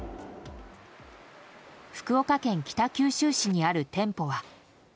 福岡県北九州市にある店舗は。